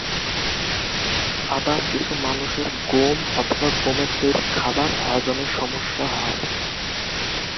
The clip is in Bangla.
আবার কিছু মানুষের গম অথবা গমের তৈরি খাবার হজমে সমস্যা হয়।